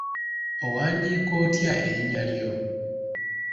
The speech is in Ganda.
Owandiika otya erinnya lyo?